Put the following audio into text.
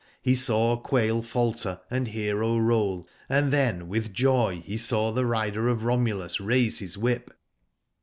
He saw Quail falter, and Hero roll, and then with joy he saw the rider of Romulus raise his whip.